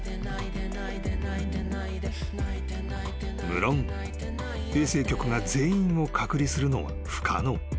［むろん衛生局が全員を隔離するのは不可能］